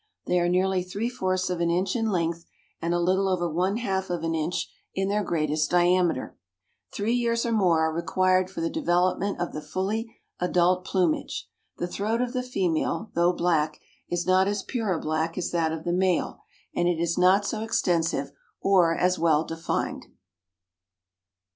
They are nearly three fourths of an inch in length, and a little over one half of an inch in their greatest diameter. Three years or more are required for the development of the fully adult plumage. The throat of the female, though black, is not as pure a black as that of the male, and it is not so extensive or as well defined.